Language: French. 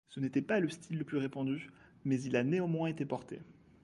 Ce n'était pas le style le plus répandu, mais il a néanmoins été porté.